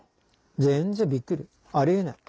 全然びっくりあり得ない